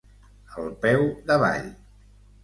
Al peu d'avall.